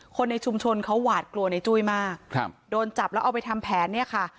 คนในชุมชนเขาหวาดกลัวในจุ้ยมากครับโดนจับแล้วเอาไปทำแผนเนี่ยค่ะ